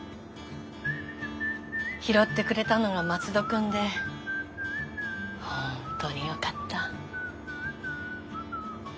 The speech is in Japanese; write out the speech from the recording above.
拾ってくれたのが松戸君で本当によかった。